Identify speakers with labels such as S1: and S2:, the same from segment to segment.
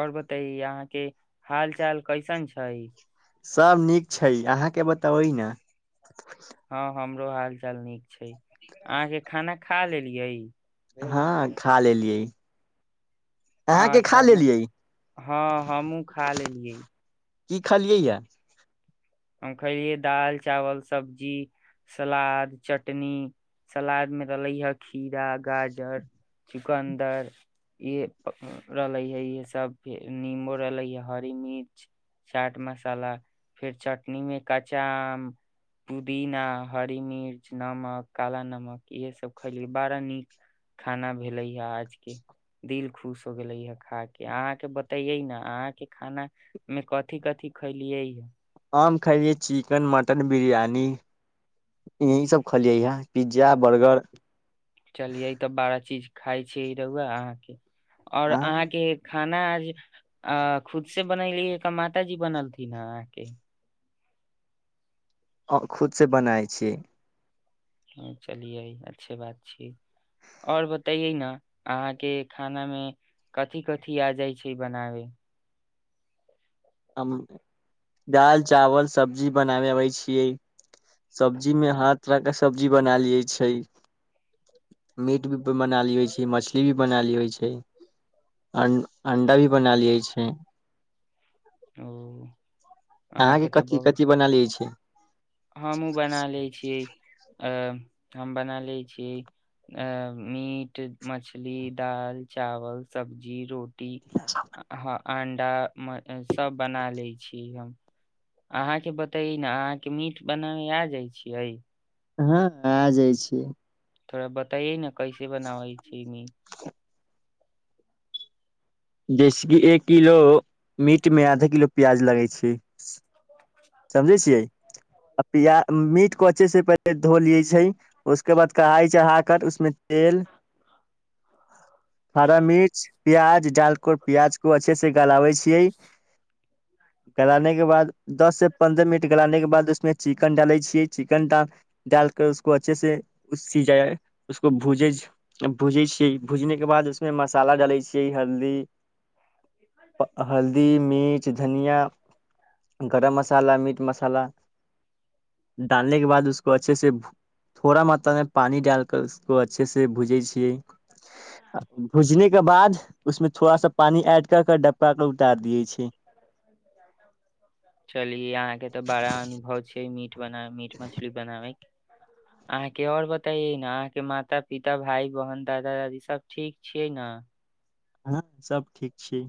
S1: ओर बताय अहाँ के हाल चाल कैसन छै
S2: सभ नीक छै अहाँके बताबै ने
S1: हँ हमरो हाल चाल नीक छै अहाँ के खाना खा लेलियै
S2: हँ खा लेलियै अहाँके खा
S1: अच्छा
S2: लेलियै
S1: हँ हमहूँ खा लेलियै
S2: की खलियै यए
S1: हम खैलियै दाल चावल सब्जी सलाद चटनी सलाद मे रहले हे खीरा गाजर चुकन्दर ये रहले हे इे सब फेर नीबो रहले हे हरी मिर्च चाट मसाला फेर चट कखनी मे कच्चा आम पुदीना हरी मिर्च नमक काला नमक इहे सब खैलियै बड़ा नीक खाना भेले हा आज के दिल खुश हो गेले या खा के अहाँके बतेये न अहाँ के खाना मे कथि कथि खैलियै हे
S2: हम खेलियै चिकेन मटन बिरयानी यही सब खलियै ह पिज्जा बर्गर
S1: चलिय ई तऽ बारह चीज खाइ छी ई रहुआ अहाँके आओर
S2: अह
S1: अहाँके खाना आज अ खुद से बनैली एक माता जी बनैली न आके
S2: आ खुदसँ बनाइ छी
S1: ह चलिये अच्छे बात छी आओर बताइए न अहाँके खानामे कथि कथि आबै छै बनाबै
S2: हम दालि चावल सब्जी बनाबै अबै छियै सब्जीमे हर तरहके सब्जी बना लैत छी मीट भी बना लैत छी मछली भी बना लैत छी अन अण्डा भी बना लै छी
S1: ओ अहाँ
S2: अहाँके
S1: के तऽ
S2: कथि
S1: बहुत
S2: कथि बना लेइत छी
S1: हमहूँ बना लैत छी अ हम बना लेइत छी मीट मछली दाल चावल सब्जी रोटी रोटी आ हाँ अंडा सभ बना लैय छी हम अहाँके बतैय ने अहाँके मीट बनाबे आ जाइ छियै
S2: हँ आ जाइ छीयै
S1: थोड़ा बताइय ने कैसे बनावै छैी
S2: जैस एक किलो मीट मे आधा किलो प्याज लगै छै समझे छियै प मीट को अच्छे से पहिले धो लिये छै उसके बाद कढ़ाइ चढ़ा कर उसमे तेल हरा मिर्च प्याज डाल प्याज को अच्छे से गलाबे छियै गलाने के बाद दस से पन्द्रह मिनट गलाने के बाद उसमे चिकन डाले छियै चिकन डाल के उसको अच्छे से सीज उसको भूज भूजै छियै भूजने के बाद उसमे मसाला डाले छियै हल्दी हल्दी मिर्च धनिया गरम मसाला मीट मसाला डालने के बाद उको अच्छे से थोड़ा मात्रामे पानी डाल कर उसको अच्छे इसलिए भुजै छियै भुजने के बाद उसमे थोड़ा सा पानी एड कर डब्बा उतार दिय छै
S1: चली अहाँके तऽ बड़ा अनुभव छै मीट मीट बनाबैकें बना मीट मछली बनाबैकें अहाँके ओर बताइै ने अहाँके माता पिता भाई बहिन दादा दादी सब ठीक छियै ने
S2: हँ सब ठीक छी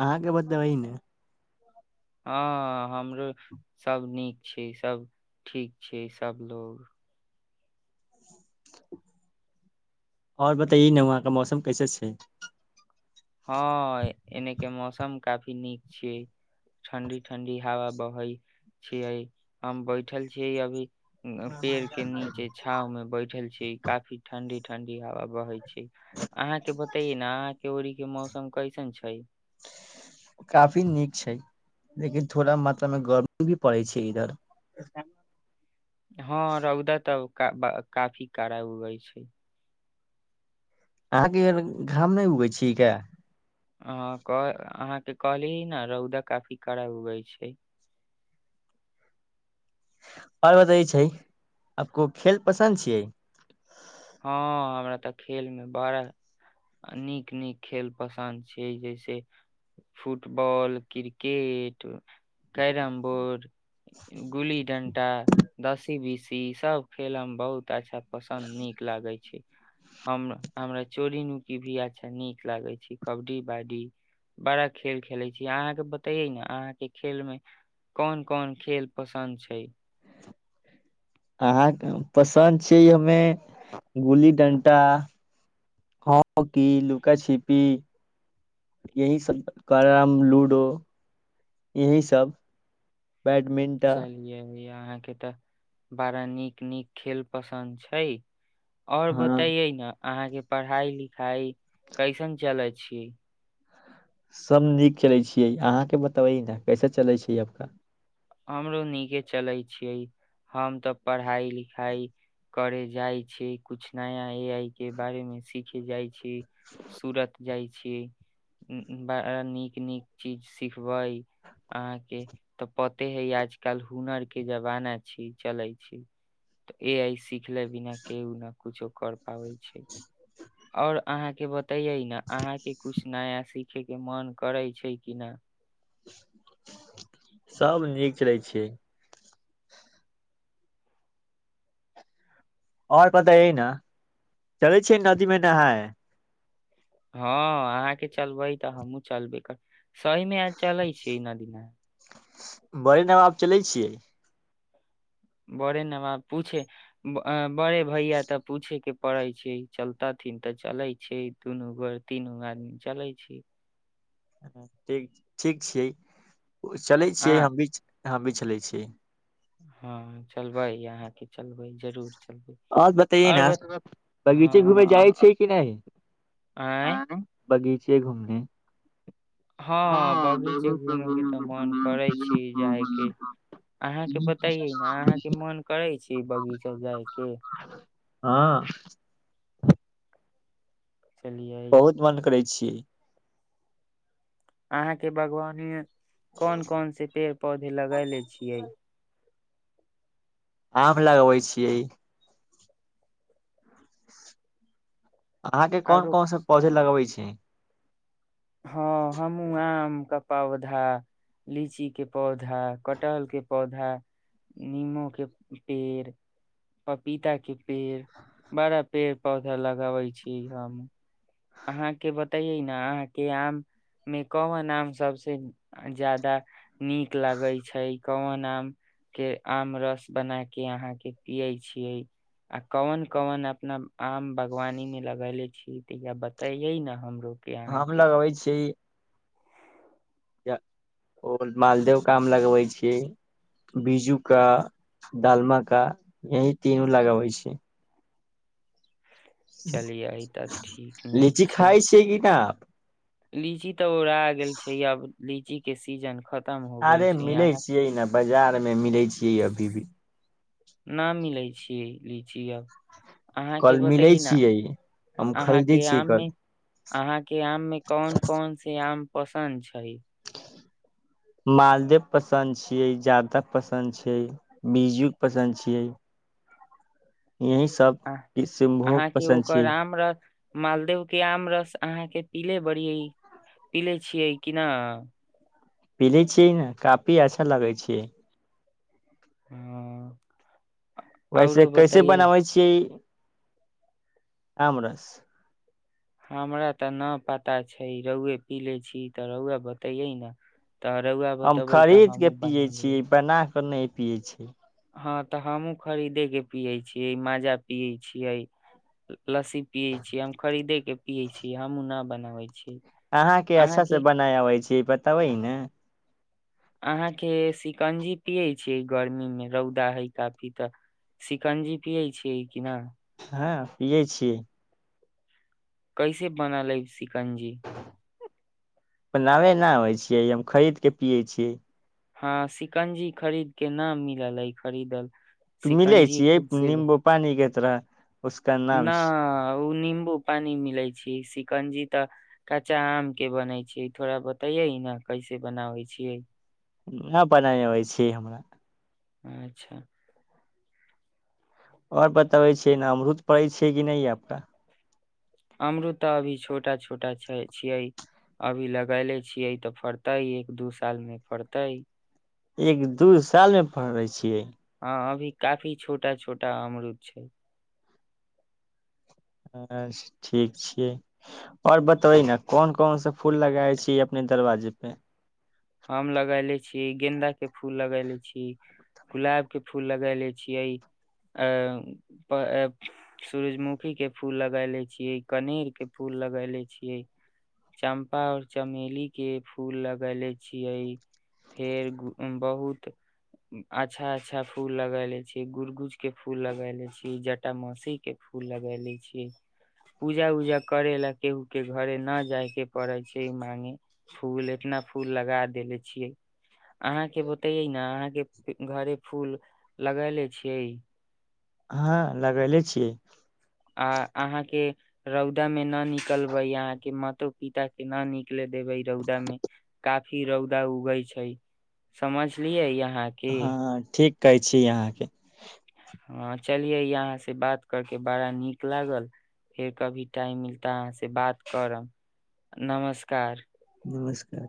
S2: अहाँके बतले अहि ने
S1: हँ हमरो सभ नीक छै सभ ठीक छै सभलोग
S2: ओर बताइए ने वहा क मौसम कैसे छै
S1: हँ एने के मौसम काफी नीक छियै ठंडी ठंडी हवा बहै छियै हम बैठल छीयै अभी पेड़ के नीचे छाव में बैठल छी काफी ठंडी ठंडी हवा बहै अहाँके बतैयव अहाँके कयोरी मौसम कैसन छैय
S2: काफी नीक छैय लेकिन थोड़ा मात्रामे गर्मी भी पड़ै छैय इधर
S1: हाँ रौदा तब काफी कड़ा उगई छैय
S2: अहाँके घाम नहि उगै छियै का
S1: ह कह अहाँके कहली ने रौदा काफी करा उगै छै
S2: आओर बतै छै आपको खेल पसन्द छै
S1: हँ हमरा त खेलमे बड़ा नीक नीक खेल पसन्द छैय जैसे फुटबॉल क्रिकेट कैरमबोड गुली डंड टा दसी बिसी सब खेलम बहुत अच्छा पसन्द नीक नीक लागै छैय हम हमरा चोरी नुकी भी अच्छा नीक लागै छैय कबड्डी बा्डी बड़ा खेल खेलैत छी अहाँके बतैयै ने अहाँके खेल मे कोन कोन खेल पसन्द छैय
S2: अहाँके पसन्द छिय हमे गुल्ली डंटा हॉकी लुका छिपी यही सब करम लूडो यही सब बैडमिंटन
S1: चलिये अहाँके त बड़ा नीक नीक खेल पसन्द छै आओर
S2: हँ
S1: बताइए न अहाँ के पढ़ाई लिखाई कैसन चलै छी
S2: सब नीक चलै छियै अहाँके बतबै न कैसे चलै छै आबका
S1: हमरो नीके चले छियै हम तऽ पढ़ाई लिखाई करे जाइ छियै कुछ नया ए आई के बारे मे सीखे जाइ छी सुरत जाइ छी बड़ा नीक नीक चीज सिखबै अहाँके त पते है आजकल हुनर के जमाना छी चले छै तऽ ए आइ देखले बिना केहु न कुछो कर पाबै छै आओर अहाँके बतैयै ने अहाँके किछ नया सीखयके मोन करै छै कि नहि
S2: सभ नीक चलै छियै आओर बतैयैय न चलै छियै नदीमे नहाय
S1: हँ अहाँके चलबै तऽ हमहूँ चलबे करबै सहीमे आइ चलै छियै नदीमे
S2: बड़े नबाब चलै छियै
S1: बड़े नवाब पूछे बड़े भैया तऽ पूछे के पड़ै छै चलतथिन तऽ चलै छै दुनू गोर तीनू आदमी चलै छी
S2: ह ठीक ठीक छियै ओ चलै छियै
S1: अहाँ
S2: हम भी हमभी चलै छियै
S1: हँ चलबै अहाँके चलबै जरूर चलबै
S2: आओर बतैए
S1: और
S2: ने
S1: बत
S2: बगीचे घूमे
S1: हँ
S2: जाइ छै कि
S1: आँय
S2: नहि बगीचे घूमने
S1: हँ बगीचे घूमेय के तऽ मन करै छै जायके अहाँके बतैयै ने अहाँके मन करै छै बगीचे जाय के
S2: हँ
S1: चलियै
S2: बहुत मन करै छी जी
S1: अहाँके बागवानी मे कोन कोन से पेड़ पौधे लगैेले छियै
S2: आम लगबै छियै [inaudible] अहाँ के कोन
S1: आरो
S2: कोन सा पौधा लगबे छै
S1: हँ हमहूँ आम के पौधा लीचीे पौधा कटहलके पौधा निमोके पेड़ पपीताके पेड़ बड़ा पेड़ पौधा लगाबै छी हम अहाँके बतैयै ने अहाँके आम मे कौन आम सभसे ज्यादा नीक लागे छै कोन आम के आम रस बना के अहाँ के पिये छीये आ कौन कौन अपना आम बागवानी में लगेले छी तहिया बता तैय ये न हमरो
S2: हम लगबै छीयै य ओ मालदेव काम लगबै छीयै बीजू का दालमा का यही तीनू लगबै छी
S1: चलियै ई तऽ ठीक नीक
S2: लीची
S1: छै
S2: खाइ छियै कि न
S1: लीची तऽ ओरा आ गेल छै आब लीची के सीजन खत
S2: अरे मिलै छियै न बाजार मे मे मिलै छियै अभी भी
S1: न मिलै छिय लीची अब अहाँके
S2: कल मिलै
S1: बतैयै ने
S2: छियै हम खरीदै
S1: अहाँके
S2: छियै
S1: आम मे
S2: कल
S1: अहाँ के आम में कौन कौन से आम पसन्द छै
S2: मालदेव पसन्द छियै जादाव पसन्द छियै बीजु पसन्द छियै यही सब
S1: आ
S2: किसनभोग
S1: अहाँके
S2: पसन्द
S1: ओकर
S2: छियै
S1: आम रहत मालदेव के आम रस अहाँके पीले बड़ीये पीले छियै कि न
S2: पीले छियै ने काफी अच्छा लगै छैियै
S1: हँ
S2: वैसे
S1: औरो
S2: कैसे
S1: बतैयै
S2: बनाबै छियै आमरस
S1: हमरा तऽ नहि पता छै रौए पी ले छी तऽ रौए बतैयै ने
S2: हम खरीद के पियै छीयै बना क ओकर नहि पियै छै
S1: हँ तऽ हमहुँ खरीदे के पियै छियै मजा पियै छियै लस्सी पिये छी हम खरीदे के पिये छी हमूं न बने बनाबै छी
S2: अहाँ के अच्छा से बनाय अबै छै से बतावय न
S1: अहाँके शिकंजी पियै छियै गर्मी मे रौदा हइ काफी तऽ शिकंजी पियै छियै कि न
S2: हँ पियै छियै
S1: कैसे बना लेब सिकंजी
S2: पबनाबे नहि आबै छियै हम खरीद के पियै छियै
S1: हँ शिकंजी खरीद के न मिलल अइ खरीदल
S2: त मिलै
S1: शिकंजी
S2: छिय
S1: खुद से
S2: नीम्बू पानी के र उसका नाम
S1: ओ निबू पानी मिले छै शिकंजी तऽ कचा आम के बनै छै थोड़ा बतैये ने कैसे बनाबे छियै
S2: उहा बना अबै छी हमरा
S1: अच्छा
S2: आओर बताबै छिय अमरुत पड़ै छै कि नहि आपका
S1: अमरूद तऽ अभी छोटा छोटा छै छियै अभी लगैले छियै तऽ फड़तै एक दू साल मे फड़तै
S2: एक दू सालमे पढ़ै छियै
S1: हँ अभी काफी छोटा छोटा अमरूद छै
S2: अ ठीक छियै आओर बतबै ने कोन कोनस फूल लगै छी अपने दरवाजे पे
S1: हम लगायले छी गेदाा के फूल लगाय ले छीिय गुलाब के फूल लगाय ले छीिये सूरजमुखी के फूल लगा ले छीिय कनेर के फूल लगाय ले छीिये चम्पा और चमेली के फूल लगाय ले छी छिय फेर बहुत अच्छा अच्छा फूल लगले छी गुर गुज के फूल लगले छी जटा मासी के फूल लगाय ले छीिय पूजा उजा करे ला केहू के घरे न जाय के पड़े छै मांगे फूल एतना फूल लगा देेले छियै अहाँ के बतये न अहाँ के घरे फूल लगेले छियै
S2: हँ लगेले छियै
S1: आ अहाँ के रौदा में ना निकलबे अहाँ के मातो पिता के न निकले देबे रौदा मे काफी रौदा उगे छै समझलियै यहा के
S2: हँ ठीक कहै छी अहाँके
S1: हँ चलियै अहाँ से बात करके बड़ा नीक लागल फेर कभी टाइम मिलत अहाँ से बात करब नमस्कार
S2: नमस्कार